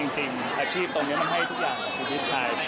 จริงอาชีพตรงนี้มันให้ทุกอย่างกับชีวิตใช้